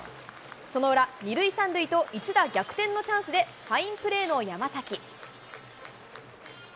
その裏、２塁３塁と一打逆転のチャンスで、ファインプレーの山崎。